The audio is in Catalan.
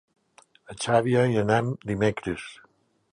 A Xàbia hi anem dimecres.